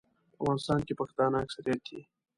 په افغانستان کې پښتانه اکثریت دي.